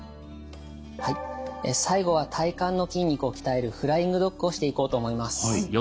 最後は体幹の筋肉を鍛えるフライングドッグをしていこうと思います。